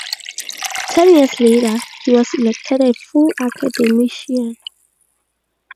Ten years later, he was elected a full academician.